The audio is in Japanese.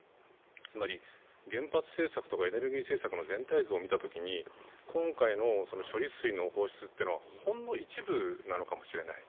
つまり原発政策とかエネルギー政策の全体像を見たときに今回の処理水の放出というのはほんの一部なのかもしれない。